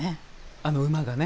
あの馬がね。